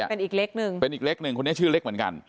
เป็นอีกเล็กหนึ่งเป็นอีกเล็กหนึ่งคนนี้ชื่อเล็กเหมือนกัน